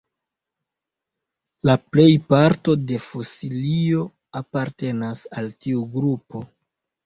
La plej parto de fosilioj apartenas al tiu grupo.